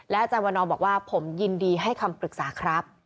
อาจารย์วันนอบอกว่าผมยินดีให้คำปรึกษาครับ